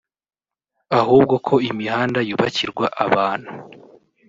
ahubwo ko imihanda yubakirwa abantu